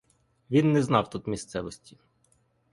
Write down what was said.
Він не знав тут місцевості.